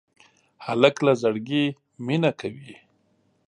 هلک له زړګي مینه کوي.